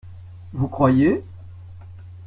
Vous croyez ?